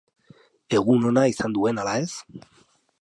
Egun ona izan duen ala ez?